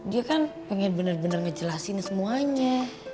dia kan pengen bener bener ngejelasin semuanya